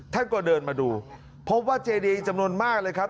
ท่านก็เดินมาดูพบว่าเจดีจำนวนมากเลยครับ